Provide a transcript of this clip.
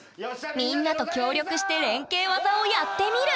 みんなと協力して連携技をやってみる！